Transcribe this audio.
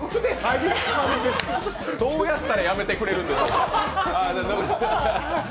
どうやったらやめてくれるんですか？